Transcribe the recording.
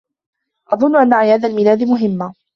أظن أن أعياد الميلاد مهمة.